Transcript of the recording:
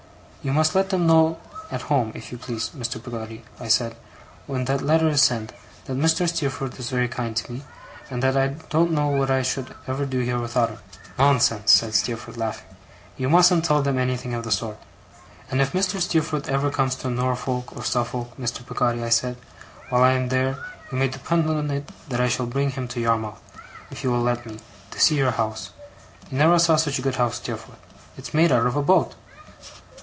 'You must let them know at home, if you please, Mr. Peggotty,' I said, 'when that letter is sent, that Mr. Steerforth is very kind to me, and that I don't know what I should ever do here without him.' 'Nonsense!' said Steerforth, laughing. 'You mustn't tell them anything of the sort.' 'And if Mr. Steerforth ever comes into Norfolk or Suffolk, Mr. Peggotty,' I said, 'while I am there, you may depend upon it I shall bring him to Yarmouth, if he will let me, to see your house. You never saw such a good house, Steerforth. It's made out of a boat!